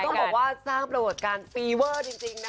ต้องบอกว่าสร้างประวัติการฟีเวอร์จริงนะคะ